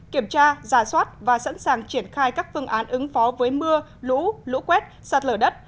kiểm tra giả soát và sẵn sàng triển khai các phương án ứng phó với mưa lũ lũ quét sạt lở đất